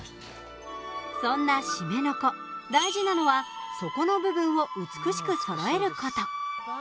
そんなしめの子、大事なのは底の部分を美しくそろえること。